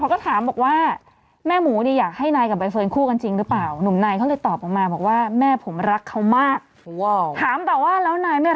คือเราต้องรับให้ได้